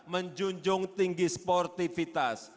menjunjung tinggi sportivitas